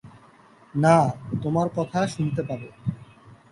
না, তোমার কথা শুনতে পাবে।